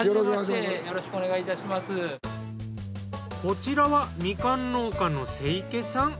こちらはみかん農家の清家さん。